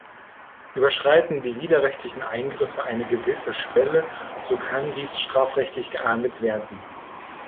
Überschreiten die widerrechtlichen Eingriffe eine gewisse Schwelle, so kann dies strafrechtlich geahndet werden.